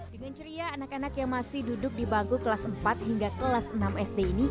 dengan ceria anak anak yang masih duduk di bangku kelas empat hingga kelas enam sd ini